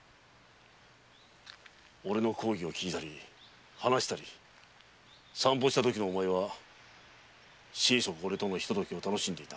俺の講義を聞いたり話したり散歩したときのお前は心底俺との一時を楽しんでいた。